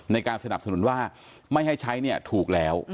ในการสนับสนุนว่าไม่ให้ใช้เนี่ยถูกแล้ว